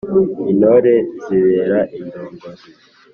intore nzibera indongozi.